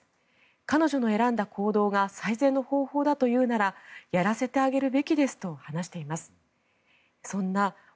彼女の選んだ行動が最善の方法だというならやらせてあげるべきですと話しています。